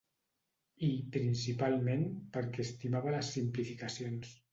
I, principalment, perquè estimava les simplificacions.